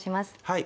はい。